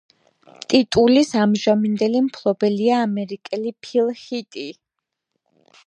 ტიტულის ამჟამინდელი მფლობელია ამერიკელი ფილ ჰიტი.